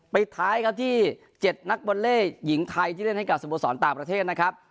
ปิดท้ายครับที่๗นักบอลเล่หญิงไทยที่เล่นให้กับสโมสรต่างประเทศนะครับ